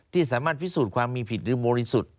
ที่สามารถพิสูจน์ความมีผิดหรือบริสุทธิ์